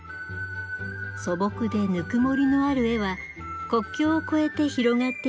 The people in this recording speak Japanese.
素朴でぬくもりのある絵は国境を越えて広がっていきました。